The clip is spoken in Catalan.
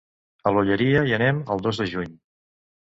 A l'Olleria hi anem el dos de juny.